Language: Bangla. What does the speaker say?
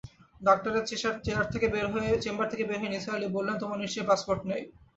ডাক্তারের চেষার থেকে বের হয়ে নিসার আলি বললেন, তোমার নিশ্চয়ই পাসপোর্ট নেই।